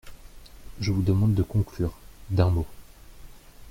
Je vous demande de conclure, d’un mot.